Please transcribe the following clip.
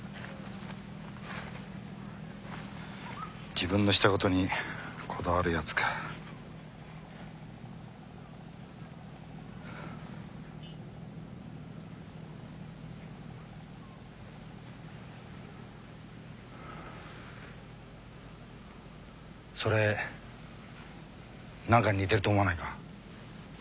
自分のしたことにこだわるヤツかそれ何かに似てると思わないか？